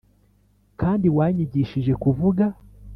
kandi wanyigishije kuvuga.